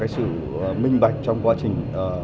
sự minh bạch trong quá trình